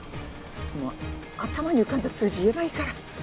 もう頭に浮かんだ数字言えばいいから。